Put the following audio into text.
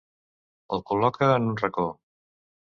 El col·loca en un racó.